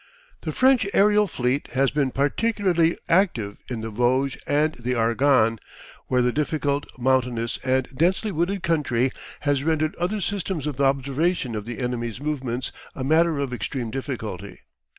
The French aerial fleet has been particularly active in the Vosges and the Argonne, where the difficult, mountainous, and densely wooded country has rendered other systems of observation of the enemy's movements a matter of extreme difficulty.